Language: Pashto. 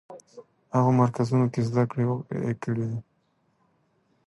هغو مرکزونو کې زده کړې کړې دي.